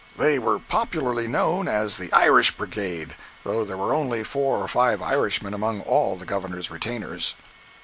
They were popularly known as the "Irish Brigade," though there were only four or five Irishmen among all the Governor's retainers.